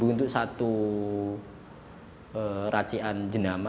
tujuh puluh untuk satu racian jendama